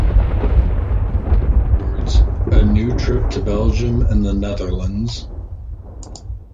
Afterwards, a new trip to Belgium and the Netherlands.